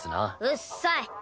うっさい！